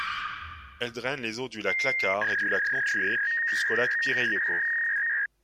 Elle draine les eaux du lac Lácar et du lac Nonthué jusqu'au lac Piriheico.